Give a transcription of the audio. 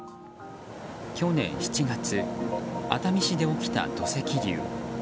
去年７月、熱海市で起きた土石流。